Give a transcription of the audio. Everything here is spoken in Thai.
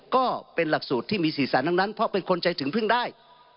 ก็เป็นหลักสูตรที่มี๔แสนทั้งนั้นเพราะเป็นคนใจถึงพึ่งได้